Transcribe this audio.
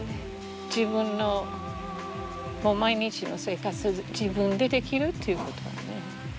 自分の毎日の生活自分でできるっていうことよね。